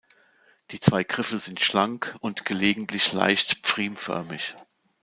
Die zwei Griffel sind schlank und gelegentlich leicht pfriemförmig.